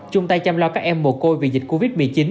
chung tay chăm lo các em mồ côi vì dịch covid một mươi chín